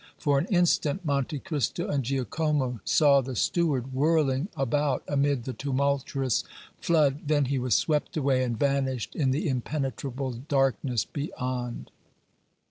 For an instant Monte Cristo and Giacomo saw the steward whirling about amid the tumultuous flood; then he was swept away, and vanished in the impenetrable darkness beyond.